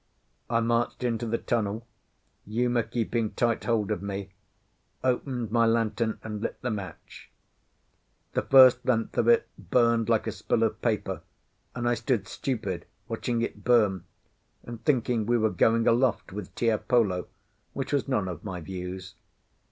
I marched into the tunnel, Uma keeping tight hold of me, opened my lantern and lit the match. The first length of it burned like a spill of paper, and I stood stupid, watching it burn, and thinking we were going aloft with Tiapolo, which was none of my views.